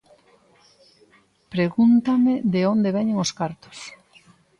Pregúntame de onde veñen os cartos.